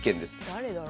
誰だろう？